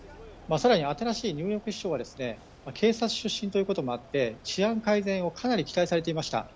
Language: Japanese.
更に新しいニューヨーク市長は警察出身ということもあって治安改善をかなり期待されていました。